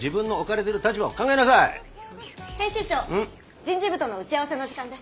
人事部との打ち合わせの時間です。